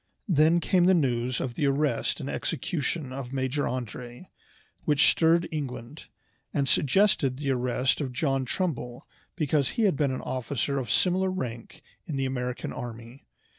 Then came the news of the arrest and execution of Major André, which stirred England, and suggested the arrest of John Trumbull because he had been an officer of similar rank in the American army.